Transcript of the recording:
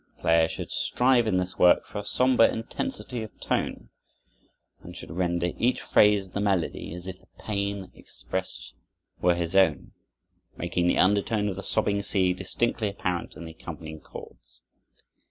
The player should strive in this work for a somber intensity of tone, and should render each phrase of the melody as if the pain expressed were his own, making the undertone of the sobbing sea distinctly apparent in the accompanying chords.